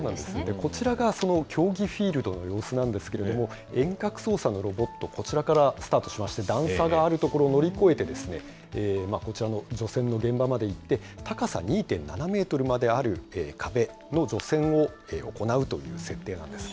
こちらがその競技フィールドの様子なんですけれども、遠隔操作のロボット、こちらからスタートしまして、段差がある所を乗り越えて、こちらの除染の現場まで行って、高さ２．７メートルまである壁の除染を行うという設定なんです。